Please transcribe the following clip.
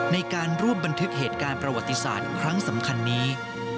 ในการร่วมบันทึกเหตุการณ์ประวัติศาสตร์ครั้งสำคัญนี้